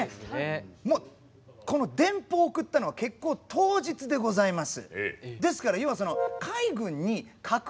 この電報を送ったのは決行当日でございます。